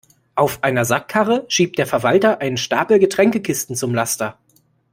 Auf einer Sackkarre schiebt der Verwalter einen Stapel Getränkekisten zum Laster.